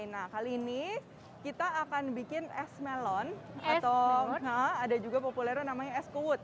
nah kali ini kita akan bikin es melon atau ada juga populernya namanya es kuwut